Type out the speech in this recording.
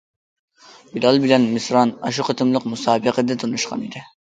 بىلال بىلەن مىسران ئاشۇ قېتىملىق مۇسابىقىدە تونۇشقانىدى.